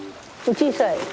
小さい。